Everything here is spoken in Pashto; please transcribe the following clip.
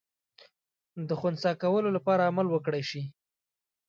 د خنثی کولو لپاره عمل وکړای سي.